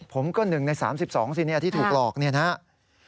ผมก็หนึ่งใน๓๒ที่ถูกหลอกนะครับ